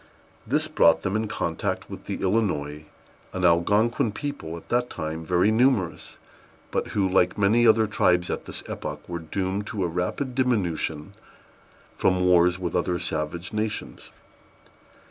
This brought them in contact with the Illinois, an Algonquin people, at that time very numerous, but who, like many other tribes at this epoch, were doomed to a rapid diminution from wars with other savage nations.